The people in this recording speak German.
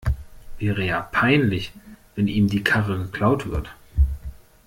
Wäre ja peinlich, wenn ihm die Karre geklaut wird.